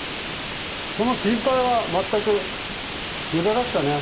その心配は全く無駄だったね。